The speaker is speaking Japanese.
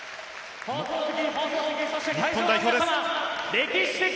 日本代表です。